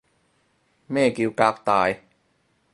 咩叫革大